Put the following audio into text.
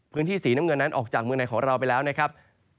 พื้นที่สีน้ำเงินนั้นออกจากเมืองไหนของเราไปแล้วนะครับ